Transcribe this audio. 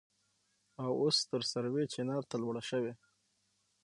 او اوس تر سروې چينار ته لوړه شوې.